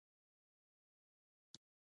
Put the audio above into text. تېر کال په مني کې ما واده وکړ.